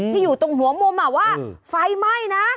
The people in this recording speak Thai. อยู่ตรงหัวมุมว่าไฟไหม้นะ